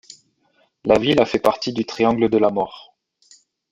La ville a fait partie du triangle de la mort.